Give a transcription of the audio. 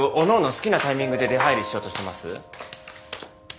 好きなタイミングで出入りしようとしてます？